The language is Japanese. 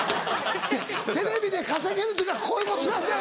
「テレビで稼げるっていうのはこういうことなんだよ！」。